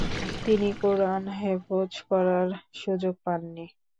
তিনি কুরআন হেফজ করার সুযােগ পান নি।